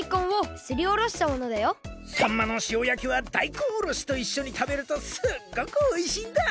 さんまのしおやきはだいこんおろしといっしょにたべるとすっごくおいしいんだ。